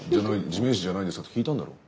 「地面師じゃないですか？」って聞いたんだろう。